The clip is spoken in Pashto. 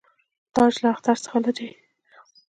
تاج له اختر څخه لري.